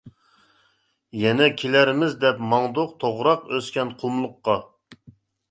يەنە كېلەرمىز دەپ ماڭدۇق، توغراق ئۆسكەن قۇملۇققا.